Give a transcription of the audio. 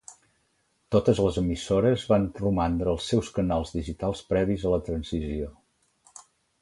Totes les emissores van romandre als seus canals digitals previs a la transició.